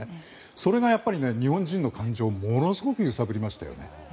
それが、日本人の感情をものすごく揺さぶりましたよね。